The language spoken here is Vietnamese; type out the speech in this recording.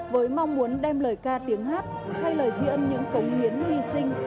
với mong muốn đem lời ca tiếng hát hay lời tri ân những cống hiến hy sinh